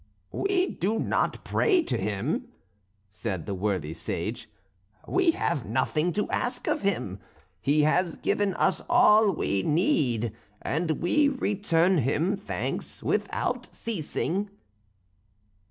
"We do not pray to Him," said the worthy sage; "we have nothing to ask of Him; He has given us all we need, and we return Him thanks without ceasing."